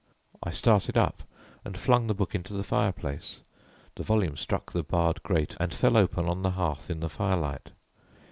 I started up and flung the book into the fireplace; the volume struck the barred grate and fell open on the hearth in the firelight.